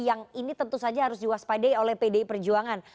yang ini tentu saja harus diwaspadai oleh pdi perjuangan